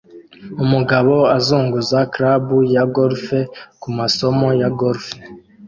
Umugabo azunguza club ya golf kumasomo ya golf